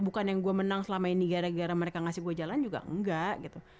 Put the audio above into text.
bukan yang gue menang selama ini gara gara mereka ngasih gue jalan juga engga gitu